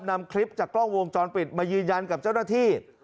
นำคลิปจากกล้องวงจรปิดมายืนยันกับเจ้าหน้าที่